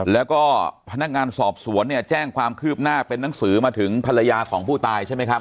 แล้วก็พนักงานสอบสวนเนี่ยแจ้งความคืบหน้าเป็นนังสือมาถึงภรรยาของผู้ตายใช่ไหมครับ